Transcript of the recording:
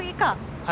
はい。